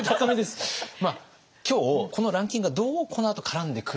まあ今日このランキングがどうこのあと絡んでくるのか。